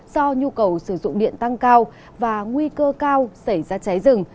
do nhu cầu sử dụng điện tăng cao và nguy cơ cao xảy ra cháy rừng